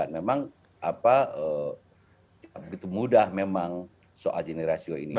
memang begitu mudah memang soal jenis rasio ini